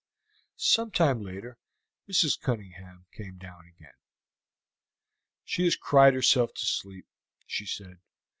Some time later Mrs. Cunningham came down again. "She has cried herself to sleep," she said.